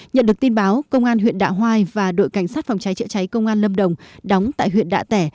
nhận được tin báo công an huyện đạ hoai và đội cảnh sát phòng cháy chữa cháy công an lâm đồng đóng tại huyện đạ tẻ